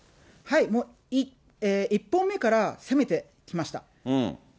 はい、１本目から攻めてきました。